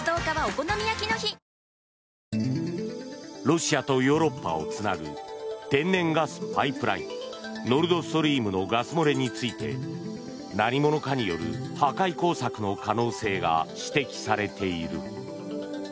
ロシアとヨーロッパをつなぐ天然ガスパイプラインノルドストリームのガス漏れについて何者かによる破壊工作の可能性が指摘されている。